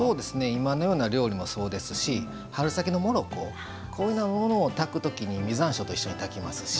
今のような料理もそうですし春先のモロコこういうものを炊くときに実山椒と一緒に炊きますし。